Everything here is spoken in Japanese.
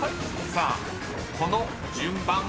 ［さあこの順番は⁉］